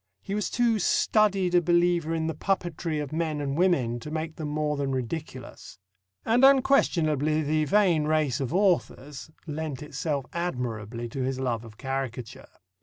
He was too studied a believer in the puppetry of men and women to make them more than ridiculous. And unquestionably the vain race of authors lent itself admirably to his love of caricature.